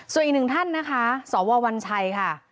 ส่วนอีกหนึ่งท่านนะคะสววัญชัยค่ะ